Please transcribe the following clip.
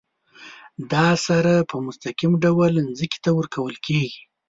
دا سره په مستقیم ډول ځمکې ته ورکول کیږي.